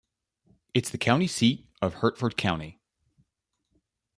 It is the county seat of Hertford County.